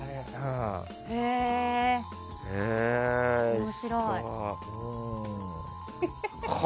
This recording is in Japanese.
面白い！